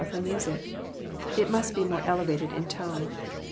of her music. It must be more elevated in tone.